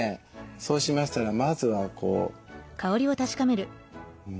そうしましたらまずはこう。